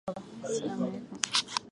تبسم المزن وانهلت مدامعه